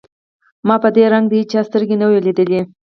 ما په دې رنگ د هېچا سترګې نه وې ليدلې.